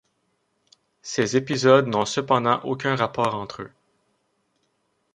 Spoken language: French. Ces épisodes n'ont cependant aucun rapport entre eux.